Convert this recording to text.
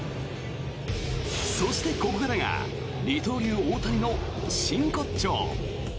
そして、ここからが二刀流・大谷の真骨頂。